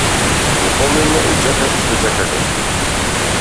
Ме погледна и чекаше што ќе кажам.